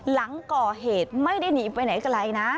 หลังก่อเหตุไม่ได้หนีไปไหนไกลนะ